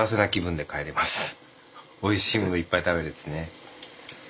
おいしいものいっぱい食べれてね。